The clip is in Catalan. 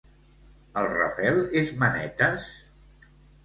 El Rafel és manetes?